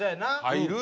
入る？